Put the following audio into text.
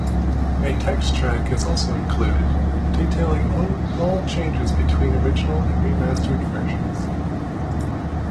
A text track is also included, detailing all changes between original and remastered versions.